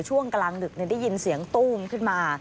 ช่วงกลางดึกได้ยินเสียงตู้มขึ้นมา